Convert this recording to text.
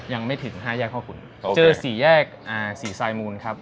ยังไม่ถึง๕แยกภาคฝุ่นเจอ๔แยก๔ไซมูลครับ